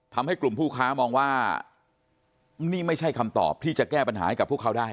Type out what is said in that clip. ทำให้กลุ่มผู้ค้ามองว่านี่ไม่ใช่คำตอบที่จะแก้ปัญหาให้กับพวกเขาได้